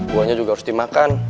buahnya juga harus dimakan